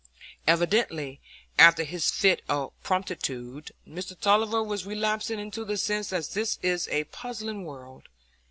Evidently, after his fit of promptitude, Mr Tulliver was relapsing into the sense that this is a puzzling world.